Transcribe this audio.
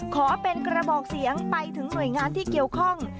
ขอเป็นกระบอกเสียงไปถึงหน่วยงานที่เกี่ยวข้อง